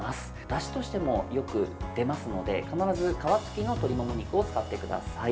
だしとしてもよく出ますので必ず皮つきの鶏もも肉を使ってください。